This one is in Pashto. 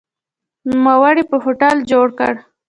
نوموړي په هوټل جوړ کړ.